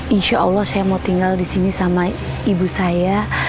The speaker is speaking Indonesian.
insya allah saya mau tinggal disini sama ibu saya